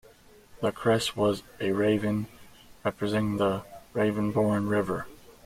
The crest was a raven, representing the Ravensbourne river.